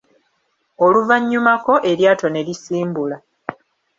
Oluvannyumako eryato ne lisimbula.